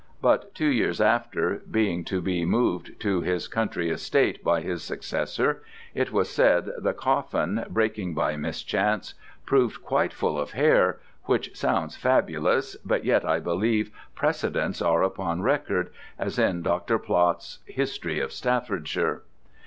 But two years after, being to be moved to his country estate by his successor, it was said the coffin, breaking by mischance, proved quite full of Hair: which sounds fabulous, but yet I believe precedents are upon record, as in Dr. Plot's History of Staffordshire.